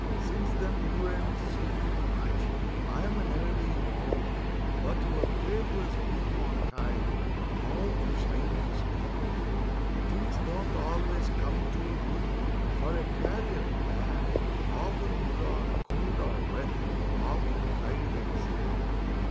Since then you ain't seen me much ; I'm an early worm. But your paper's been on time All through shine and storm. Things don't always come too good For a carrier lad. Often we are cold or wet, Often tired and sad.